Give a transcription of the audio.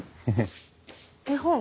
絵本？